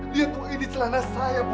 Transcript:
lihat kok ini celana saya bu